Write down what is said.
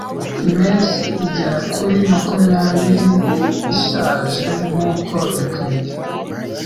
Impeshyi igera kuri makumyabiri ishaje nkuko bikwiye